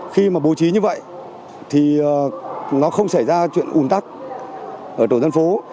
khi mà bố trí như vậy thì nó không xảy ra chuyện ủn tắc ở tổ dân phố